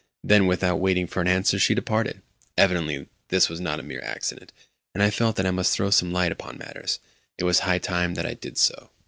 Then, without waiting for an answer, she departed. Evidently this was not mere accident, and I felt that I must throw some light upon matters. It was high time that I did so.